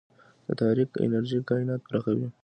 د تاریک انرژي کائنات پراخوي.